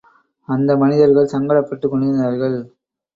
அந்த மனிதர்கள் சங்கடப்பட்டுக் கொண்டிருந்தார்கள்.